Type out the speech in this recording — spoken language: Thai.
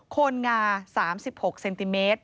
โคนงา๓๖ซม